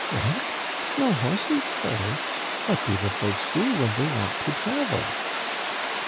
" What ! no horses, sir ? What do the folks do when they want to travel